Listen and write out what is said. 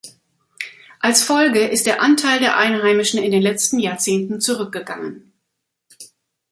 Als Folge ist der Anteil der Einheimischen in den letzten Jahrzehnten zurückgegangen.